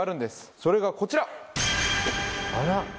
それがこちら！